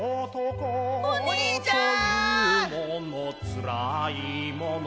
お兄ちゃん！